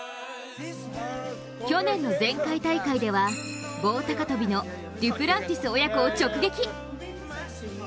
去年の前回大会では棒高跳のデュプランティス親子を直撃。